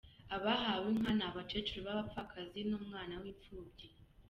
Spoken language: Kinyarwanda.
Abahawe inka ni abakecuru b’ababapfakazi n’umwana w’imfubyi.